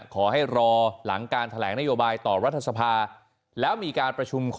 ขอให้รอหลังการแถลงนโยบายต่อรัฐสภาแล้วมีการประชุมคอ